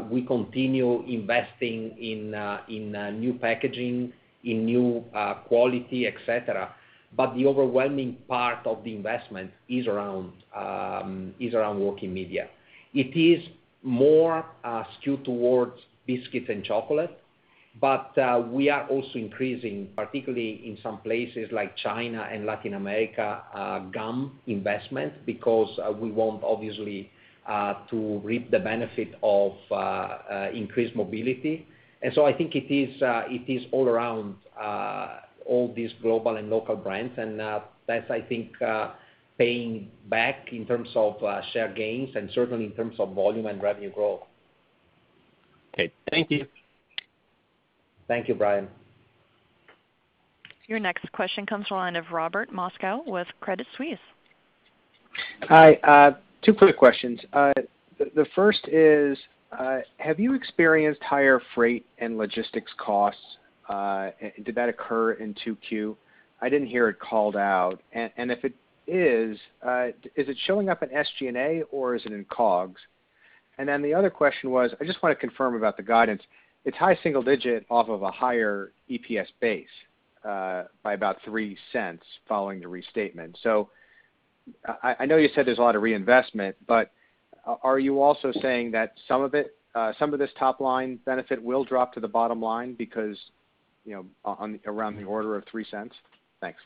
we continue investing in new packaging, in new quality, et cetera. The overwhelming part of the investment is around working media. It is more skewed towards biscuits and chocolate, but we are also increasing, particularly in some places like China and Latin America, gum investment because we want obviously to reap the benefit of increased mobility. I think it is all around all these global and local brands, and that's, I think, paying back in terms of share gains and certainly in terms of volume and revenue growth. Okay. Thank you. Thank you, Bryan. Your next question comes to the line of Robert Moskow with Credit Suisse. Hi, two quick questions. The first is, have you experienced higher freight and logistics costs? Did that occur in 2Q? I didn't hear it called out. If it is it showing up in SG&A or is it in COGS? The other question was, I just want to confirm about the guidance. It's high single digit off of a higher EPS base by about $0.03 following the restatement. I know you said there's a lot of reinvestment, but are you also saying that some of this top-line benefit will drop to the bottom line around the order of $0.03? Thanks.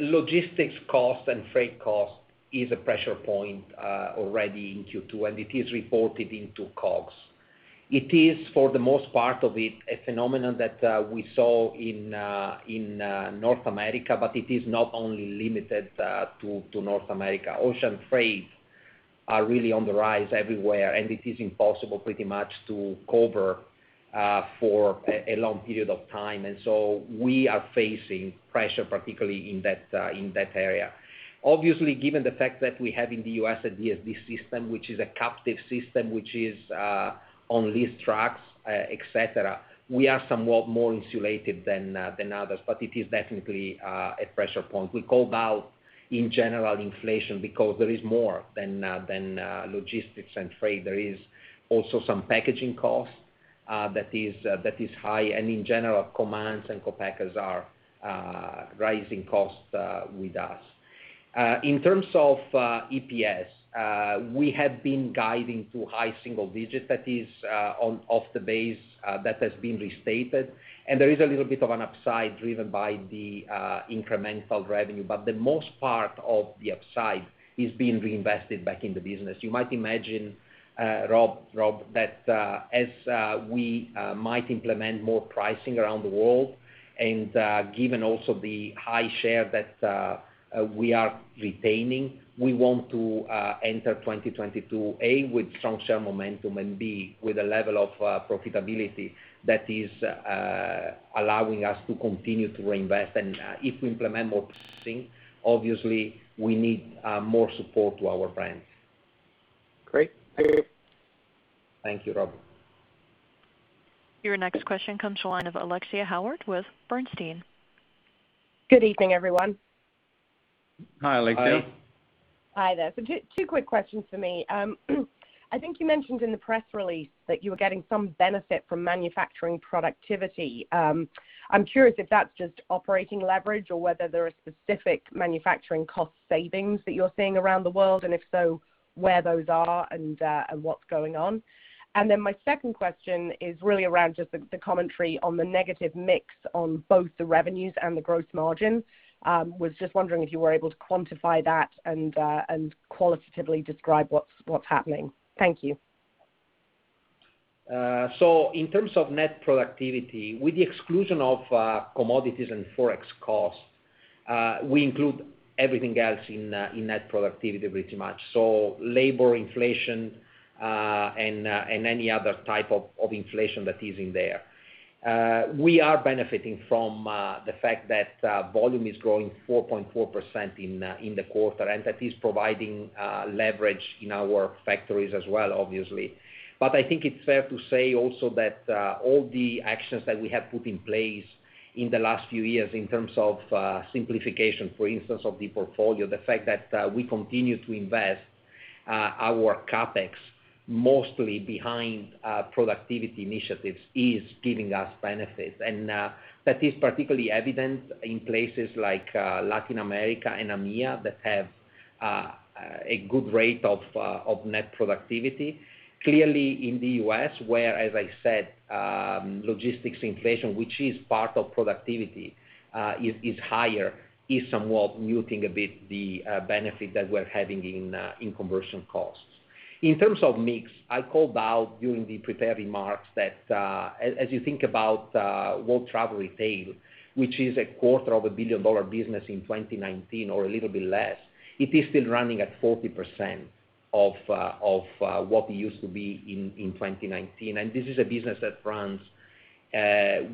Logistics cost and freight cost is a pressure point already in Q2, and it is reported into COGS. It is, for the most part of it, a phenomenon that we saw in North America, but it is not only limited to North America. Ocean freights are really on the rise everywhere, and it is impossible pretty much to cover for a long period of time. We are facing pressure, particularly in that area. Obviously, given the fact that we have in the U.S. a DSD system, which is a captive system, which is on leased trucks, et cetera, we are somewhat more insulated than others. It is definitely a pressure point. We call out in general inflation because there is more than logistics and freight. There is also some packaging costs that is high and in general, commodities and co-packers are rising costs with us. In terms of EPS, we have been guiding to high single digits, that is off the base that has been restated. There is a little bit of an upside driven by the incremental revenue. The most part of the upside is being reinvested back in the business. You might imagine, Robert Moskow, that as we might implement more pricing around the world, and given also the high share that we are retaining, we want to enter 2022, A, with strong share momentum, and B, with a level of profitability that is allowing us to continue to reinvest. If we implement more pricing, obviously we need more support to our brands. Great. Thank you. Thank you, Rob. Your next question comes to the line of Alexia Howard with Bernstein. Good evening, everyone. Hi, Alexia. Hi. Hi there. Two quick questions from me. I think you mentioned in the press release that you were getting some benefit from manufacturing productivity. I'm curious if that's just operating leverage or whether there are specific manufacturing cost savings that you're seeing around the world, and if so, where those are and what's going on. My second question is really around just the commentary on the negative mix on both the revenues and the gross margin. I was just wondering if you were able to quantify that and qualitatively describe what's happening. Thank you. In terms of net productivity, with the exclusion of commodities and Forex costs, we include everything else in net productivity pretty much. Labor inflation, and any other type of inflation that is in there. We are benefiting from the fact that volume is growing 4.4% in the quarter, and that is providing leverage in our factories as well, obviously. I think it's fair to say also that all the actions that we have put in place in the last few years in terms of simplification, for instance, of the portfolio, the fact that we continue to invest our CapEx mostly behind productivity initiatives is giving us benefits. That is particularly evident in places like Latin America and EMEA that have a good rate of net productivity. Clearly in the U.S. where, as I said, logistics inflation, which is part of productivity, is higher, is somewhat muting a bit the benefit that we're having in conversion costs. In terms of mix, I called out during the prepared remarks that as you think about World Travel Retail, which is a quarter of a billion-dollar business in 2019 or a little bit less, it is still running at 40% of what we used to be in 2019. This is a business that runs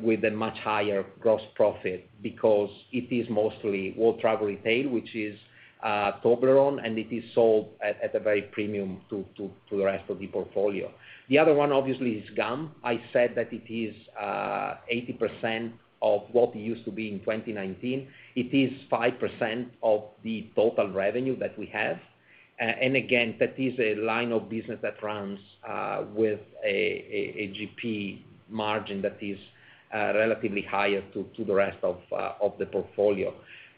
with a much higher gross profit because it is mostly World Travel Retail, which is Toblerone, and it is sold at a very premium to the rest of the portfolio. The other one obviously is gum. I said that it is 80% of what we used to be in 2019. It is 5% of the total revenue that we have. Again, that is a line of business that runs with a GP margin that is relatively higher to the rest of the portfolio.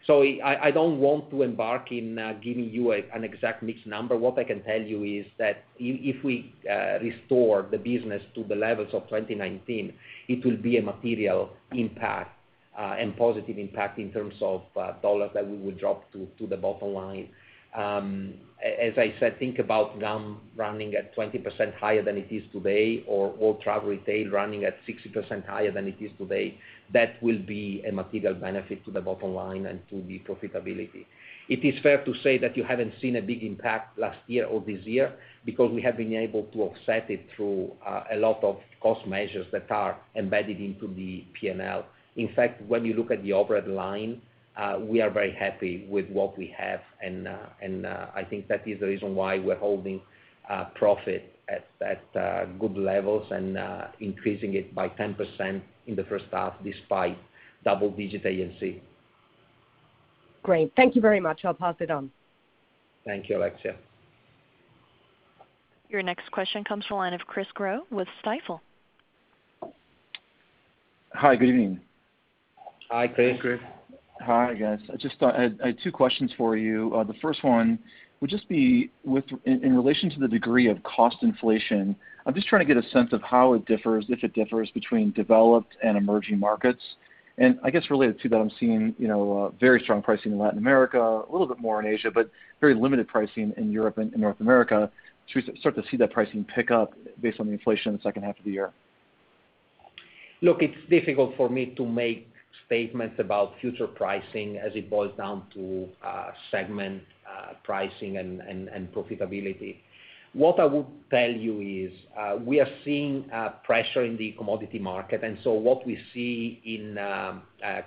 I don't want to embark in giving you an exact mix number. What I can tell you is that if we restore the business to the levels of 2019, it will be a material impact, and positive impact in terms of dollar that we will drop to the bottom line. As I said, think about gum running at 20% higher than it is today, or World Travel Retail running at 60% higher than it is today. That will be a material benefit to the bottom line and to the profitability. It is fair to say that you haven't seen a big impact last year or this year because we have been able to offset it through a lot of cost measures that are embedded into the P&L. In fact, when you look at the operating line, we are very happy with what we have, and I think that is the reason why we're holding profit at good levels and increasing it by 10% in the first half despite double-digit A&C. Great. Thank you very much. I will pass it on. Thank you, Alexia. Your next question comes from the line of Chris Growe with Stifel. Hi. Good evening. Hi, Chris. Hi, guys. I just had two questions for you. The first one would just be in relation to the degree of cost inflation. I'm just trying to get a sense of how it differs, if it differs between developed and emerging markets. I guess related to that, I'm seeing very strong pricing in Latin America, a little bit more in Asia, but very limited pricing in Europe and North America. Should we start to see that pricing pick up based on the inflation in the second half of the year? Look, it's difficult for me to make statements about future pricing as it boils down to segment pricing and profitability. What I would tell you is, we are seeing pressure in the commodity market, and so what we see in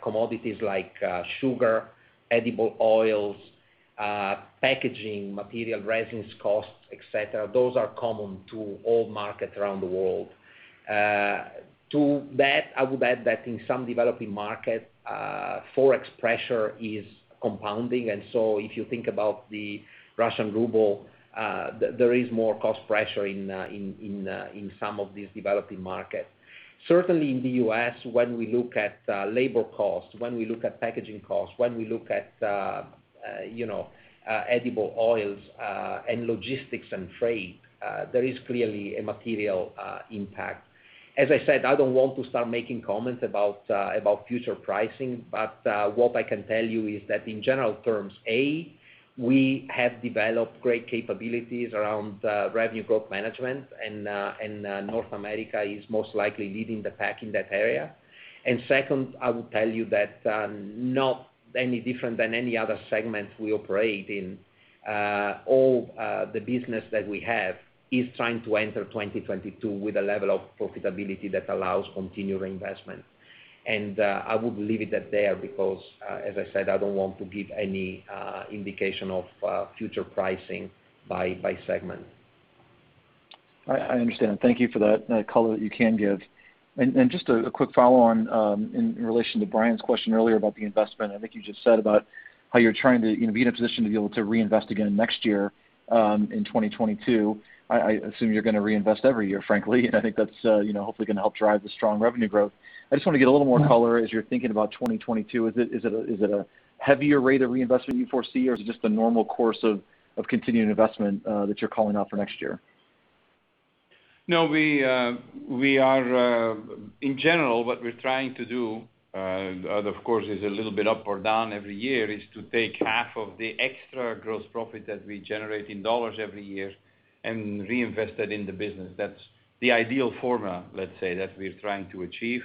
commodities like sugar, edible oils, packaging material, resins costs, et cetera, those are common to all markets around the world. To that, I would add that in some developing markets, Forex pressure is compounding. If you think about the Russian ruble, there is more cost pressure in some of these developing markets. Certainly in the U.S., when we look at labor costs, when we look at packaging costs, when we look at edible oils and logistics and freight, there is clearly a material impact. As I said, I don't want to start making comments about future pricing. What I can tell you is that in general terms, A, we have developed great capabilities around revenue growth management, and North America is most likely leading the pack in that area. Second, I would tell you that, not any different than any other segment we operate in, all the business that we have is trying to enter 2022 with a level of profitability that allows continued reinvestment. I would leave it at there because, as I said, I don't want to give any indication of future pricing by segment. I understand. Thank you for that color that you can give. Just a quick follow-on, in relation to Bryan's question earlier about the investment. I think you just said about how you're trying to be in a position to be able to reinvest again next year, in 2022. I assume you're going to reinvest every year, frankly. I think that's hopefully going to help drive the strong revenue growth. I just want to get a little more color as you're thinking about 2022. Is it a heavier rate of reinvestment you foresee, or is it just the normal course of continuing investment that you're calling out for next year? In general, what we are trying to do, and of course, is a little bit up or down every year, is to take half of the extra gross profit that we generate in dollars every year and reinvest it in the business. That is the ideal formula, let's say, that we are trying to achieve.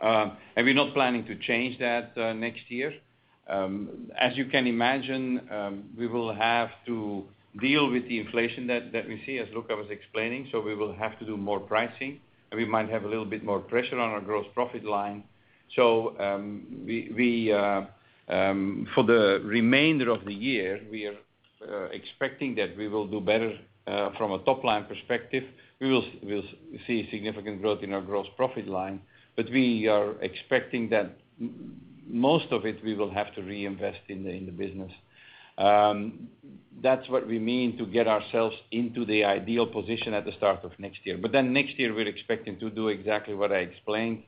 We are not planning to change that next year. As you can imagine, we will have to deal with the inflation that we see, as Luca was explaining, so we will have to do more pricing, and we might have a little bit more pressure on our gross profit line. For the remainder of the year, we are expecting that we will do better, from a top-line perspective. We will see significant growth in our gross profit line. We are expecting that most of it we will have to reinvest in the business. That's what we mean to get ourselves into the ideal position at the start of next year. Next year, we're expecting to do exactly what I explained,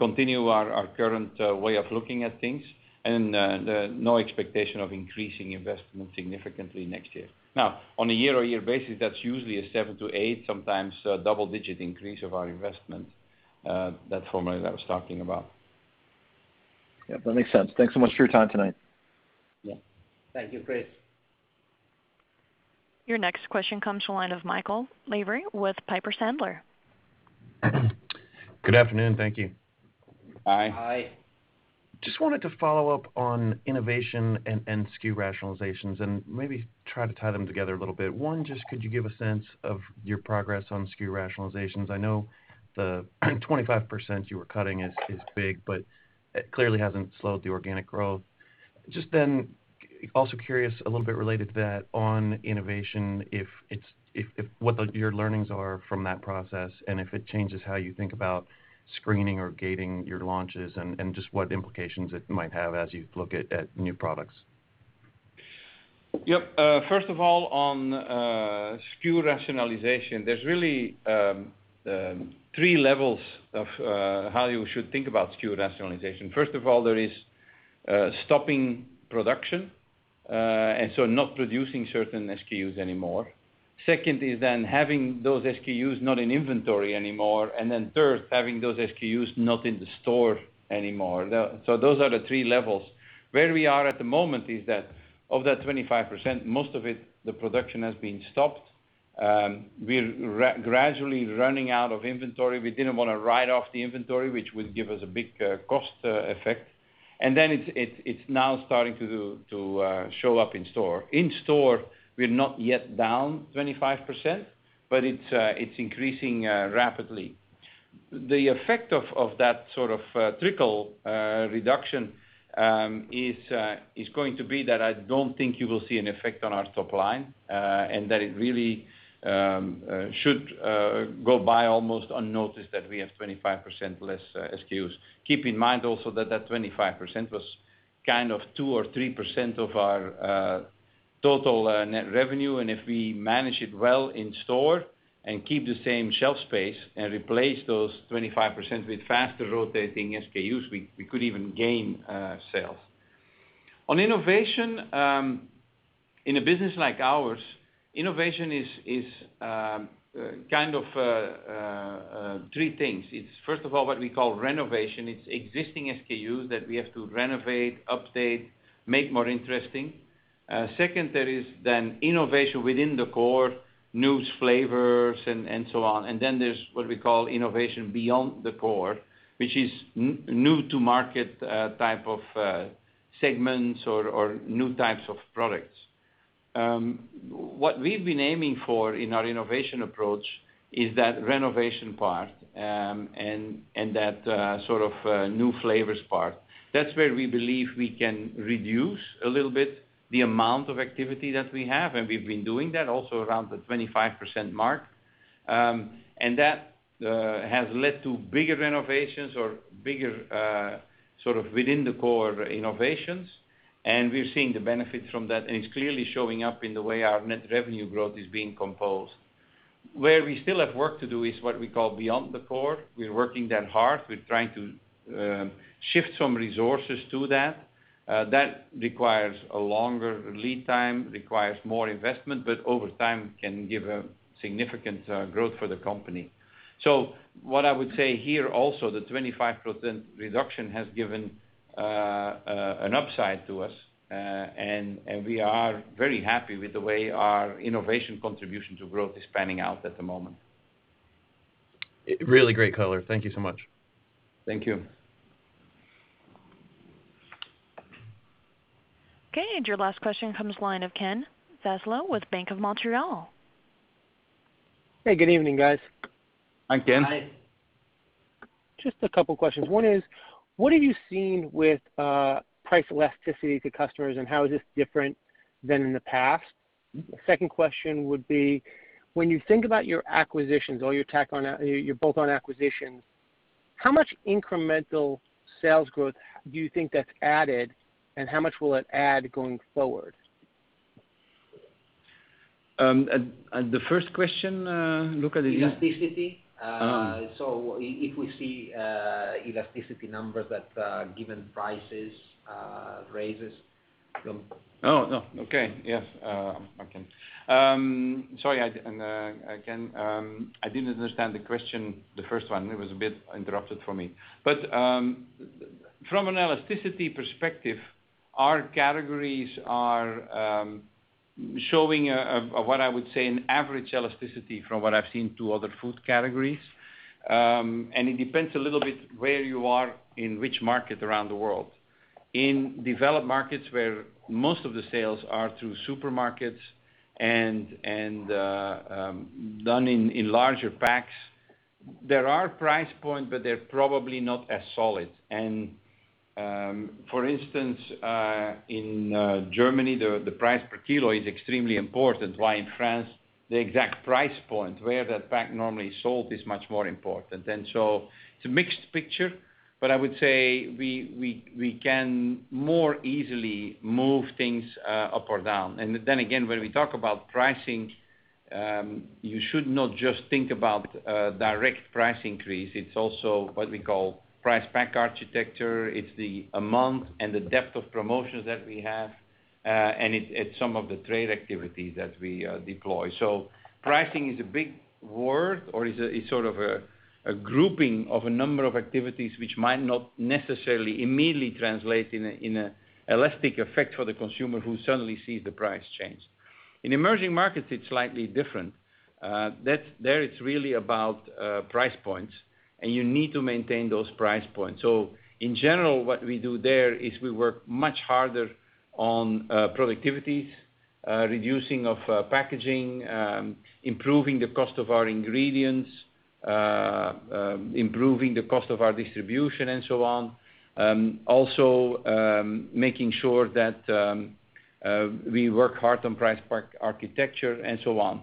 continue our current way of looking at things, and no expectation of increasing investment significantly next year. On a year-on-year basis, that's usually a seven-eight, sometimes a double-digit increase of our investment, that formula that I was talking about. Yeah, that makes sense. Thanks so much for your time tonight. Yeah. Thank you, Chris. Your next question comes to the line of Michael Lavery with Piper Sandler. Good afternoon. Thank you. Hi. Hi. Wanted to follow up on innovation and SKU rationalizations and maybe try to tie them together a little bit. One, could you give a sense of your progress on SKU rationalizations? I know the 25% you were cutting is big, it clearly hasn't slowed the organic growth. Also curious, a little bit related to that, on innovation, what your learnings are from that process, and if it changes how you think about screening or gating your launches, and what implications it might have as you look at new products. Yep. First of all, on SKU rationalization, there's really three levels of how you should think about SKU rationalization. First of all, there is stopping production, not producing certain SKUs anymore. Second is having those SKUs not in inventory anymore. Third, having those SKUs not in the store anymore. Those are the three levels. Where we are at the moment is that of that 25%, most of it, the production has been stopped. We're gradually running out of inventory. We didn't want to write off the inventory, which would give us a big cost effect. It's now starting to show up in store. In store, we're not yet down 25%, but it's increasing rapidly. The effect of that sort of trickle reduction is going to be that I don't think you will see an effect on our top line, and that it really should go by almost unnoticed that we have 25% less SKUs. Keep in mind also that that 25% was kind of 2% or 3% of our total net revenue, and if we manage it well in store and keep the same shelf space and replace those 25% with faster rotating SKUs, we could even gain sales. On innovation, in a business like ours, innovation is kind of three things. It's first of all, what we call renovation. It's existing SKUs that we have to renovate, update, make more interesting. Second, there is then innovation within the core, new flavors and so on. Then there's what we call innovation beyond the core, which is new to market type of segments or new types of products. What we've been aiming for in our innovation approach is that renovation part, and that sort of new flavors part. That's where we believe we can reduce a little bit the amount of activity that we have, and we've been doing that also around the 25% mark. That has led to bigger renovations or bigger sort of within the core innovations. We're seeing the benefits from that, and it's clearly showing up in the way our net revenue growth is being composed. Where we still have work to do is what we call beyond the core. We're working that hard. We're trying to shift some resources to that. That requires a longer lead time, requires more investment, but over time, can give a significant growth for the company. What I would say here also, the 25% reduction has given an upside to us. We are very happy with the way our innovation contribution to growth is panning out at the moment. Really great color. Thank you so much. Thank you. Okay, your last question comes line of Ken Zaslow with Bank of Montreal. Hey, good evening, guys. Hi, Ken. Hi. Just a couple of questions. One is, what have you seen with price elasticity to customers, and how is this different than in the past? Second question would be, when you think about your acquisitions, all your bolt-on acquisitions, how much incremental sales growth do you think that's added, and how much will it add going forward? The first question, Luca. Elasticity. If we see elasticity numbers that given prices raises. Oh, no. Okay, yes. Sorry, Ken, I didn't understand the question, the first one. It was a bit interrupted for me. From an elasticity perspective, our categories are showing what I would say an average elasticity from what I've seen to other food categories. It depends a little bit where you are, in which market around the world. In developed markets where most of the sales are through supermarkets and done in larger packs, there are price points, but they're probably not as solid. For instance, in Germany, the price per kilo is extremely important. While in France, the exact price point where that pack normally sold is much more important. So it's a mixed picture, but I would say we can more easily move things up or down. Then again, when we talk about pricing, you should not just think about direct price increase. It's also what we call price pack architecture. It's the amount and the depth of promotions that we have, and it's some of the trade activity that we deploy. Pricing is a big word or is sort of a grouping of a number of activities which might not necessarily immediately translate in an elastic effect for the consumer who suddenly sees the price change. In emerging markets, it's slightly different. There it's really about price points, and you need to maintain those price points. In general, what we do there is we work much harder on productivities, reducing of packaging, improving the cost of our ingredients, improving the cost of our distribution and so on. Making sure that we work hard on price architecture and so on.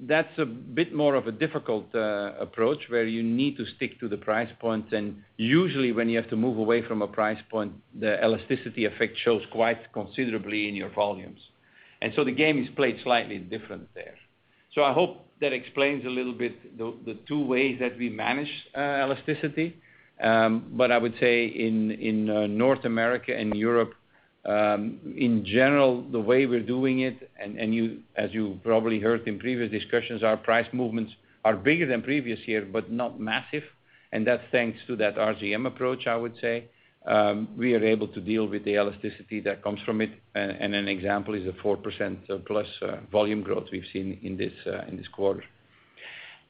That's a bit more of a difficult approach where you need to stick to the price points, and usually, when you have to move away from a price point, the elasticity effect shows quite considerably in your volumes. The game is played slightly different there. I hope that explains a little bit the two ways that we manage elasticity. I would say in North America and Europe, in general, the way we're doing it, and as you probably heard in previous discussions, our price movements are bigger than previous year, but not massive. That's thanks to that RGM approach, I would say. We are able to deal with the elasticity that comes from it, and an example is the 4% plus volume growth we've seen in this quarter.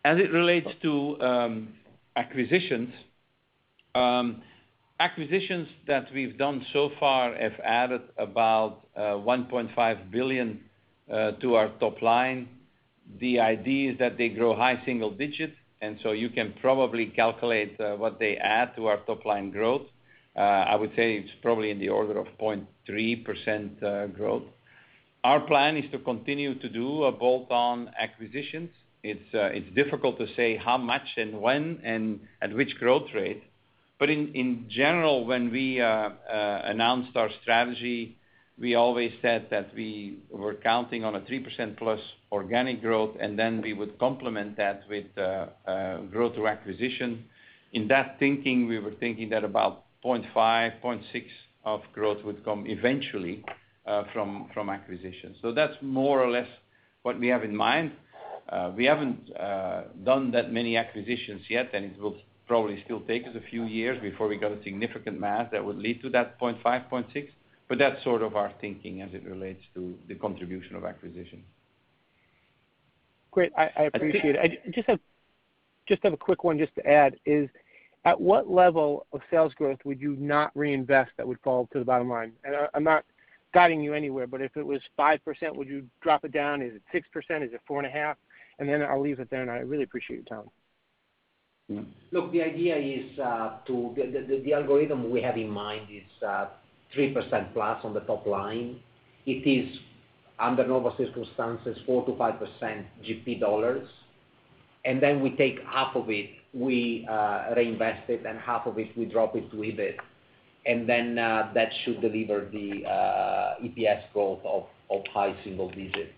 As it relates to acquisitions. Acquisitions that we've done so far have added about $1.5 billion to our top line. The idea is that they grow high single digits, you can probably calculate what they add to our top-line growth. I would say it's probably in the order of 0.3% growth. In general, when we announced our strategy, we always said that we were counting on a 3%+ organic growth, and then we would complement that with growth through acquisition. In that thinking, we were thinking that about 0.5, 0.6 of growth would come eventually from acquisition. That's more or less what we have in mind. We haven't done that many acquisitions yet, it will probably still take us a few years before we get a significant mass that would lead to that 0.5, 0.6. That's sort of our thinking as it relates to the contribution of acquisition. Great. I appreciate it. I just have a quick one just to add is, at what level of sales growth would you not reinvest that would fall to the bottom line? I'm not guiding you anywhere, but if it was 5%, would you drop it down? Is it 6%? Is it 4.5%? I'll leave it there, and I really appreciate your time. Look, the idea is the algorithm we have in mind is 3% plus on the top line. It is, under normal circumstances, 4%-5% GP dollars. We take half of it, we reinvest it, and half of it, we drop it to EBIT. That should deliver the EPS growth of high single digits.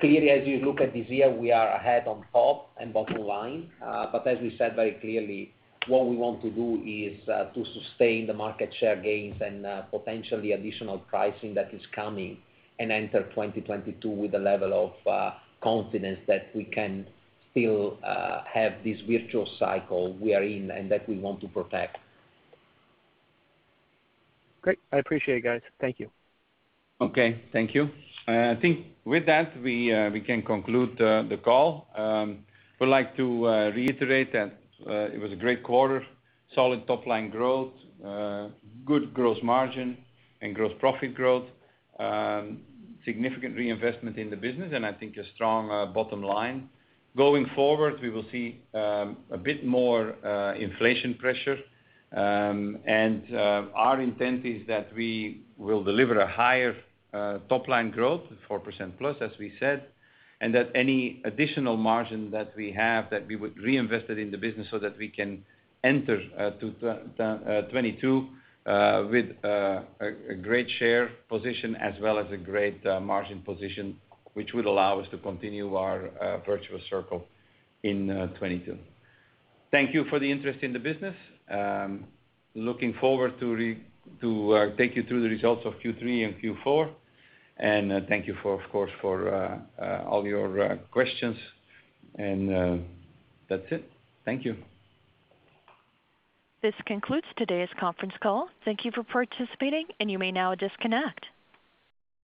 Clearly, as you look at this year, we are ahead on top and bottom line. As we said very clearly, what we want to do is to sustain the market share gains and potentially additional pricing that is coming, and enter 2022 with a level of confidence that we can still have this virtual cycle we are in and that we want to protect. Great. I appreciate it, guys. Thank you. Okay. Thank you. I think with that, we can conclude the call. We'd like to reiterate that it was a great quarter. Solid top-line growth, good gross margin and gross profit growth, significant reinvestment in the business, and I think a strong bottom line. Going forward, we will see a bit more inflation pressure. Our intent is that we will deliver a higher top-line growth, 4% plus, as we said, and that any additional margin that we have, that we would reinvest it in the business so that we can enter 2022 with a great share position as well as a great margin position, which would allow us to continue our virtual circle in 2022. Thank you for the interest in the business. Looking forward to take you through the results of Q3 and Q4. Thank you, of course, for all your questions. That's it. Thank you. This concludes today's conference call. Thank you for participating, and you may now disconnect.